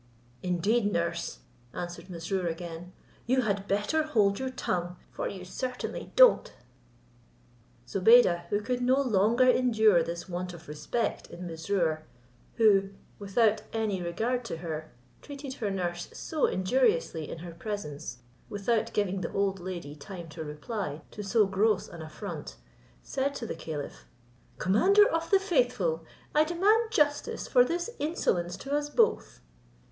"Indeed, nurse," answered Mesrour again, "you had better hold your tongue, for you certainly doat." Zobeide, who could no longer endure this want of respect in Mesrour, who, without any regard to her, treated her nurse so injuriously in her presence, without giving the old lady time to reply to so gross an affront, said to the caliph, "Commander of the faithful, I demand justice for this insolence to us both."